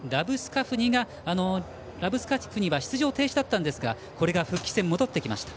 ラブスカフニは出場停止だったんですがこれが復帰戦、戻ってきました。